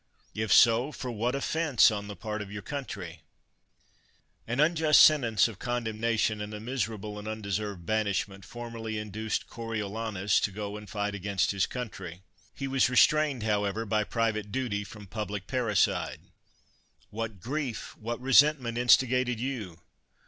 If so, for what offense on the part of your country ? An unjust sentence of condemnation, and a 28 SCIPIO AFRICANUS MAJOR miserable and undeserved banishment, formerly induced Coriolanus to go and fight against his country; he was restrained, however, by private duty from public parricide. What grief, what resentment instigated you?